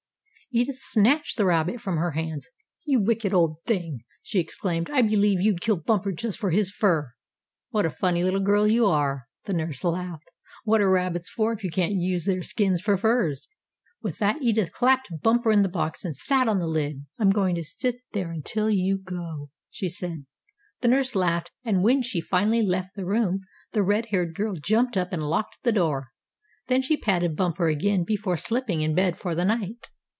Edith snatched the rabbit from her hands. "You wicked old thing!" she exclaimed. "I believe you'd kill Bumper just for his fur." "What a funny little girl you are," the nurse laughed. "What are rabbits for if you can't use their skins for furs." With that Edith clapped Bumper in the box, and sat on the lid. "I'm going to sit there until you go," she said. The nurse laughed, and when she finally left the room the red haired girl jumped up and locked the door. Then she patted Bumper again before slipping in bed for the night.